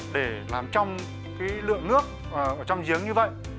để làm trong lượng nước ở trong giếng như vậy